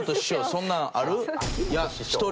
そんなんある？